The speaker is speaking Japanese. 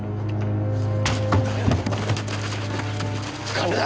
金だ！